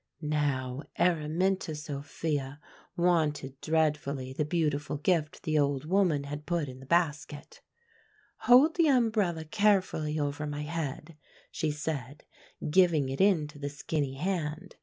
"Now, Araminta Sophia wanted dreadfully the beautiful gift the old woman had put in the basket. 'Hold the umbrella carefully over my head,' she said, giving it into the skinny hand.